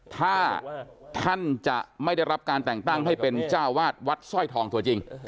ถ้าท่านจะไม่ได้รับการแต่งตั้งให้เป็นเจ้าวาดวัดสร้อยทองตัวจริง